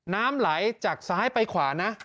น้ำไหลจากซ้ายไปขวานะ